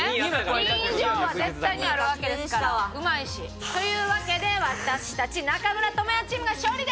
２以上は絶対にあるわけですからうまいし。というわけで私たち中村倫也チームが勝利です！